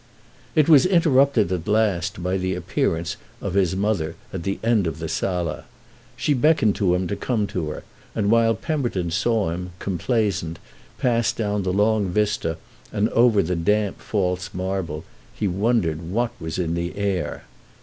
It was interrupted at last by the appearance of his mother at the end of the sala. She beckoned him to come to her, and while Pemberton saw him, complaisant, pass down the long vista and over the damp false marble, he wondered what was in the air.